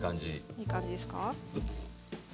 いい感じですか？